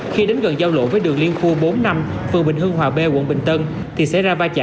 khi đến gần giao lộ với đường liên khu bốn năm phường bình hương hòa b quận bình tân thì xảy ra va chạm